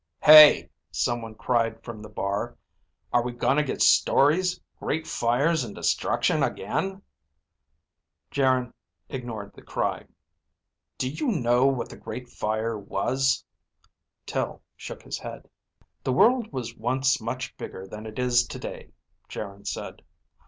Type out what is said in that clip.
"Hey," someone cried from the bar. "Are we gonna get stories, great fires and destruction again?" Geryn ignored the cry. "Do you know what the Great Fire was?" Tel shook his head. "The world was once much bigger than it is today," Geryn said.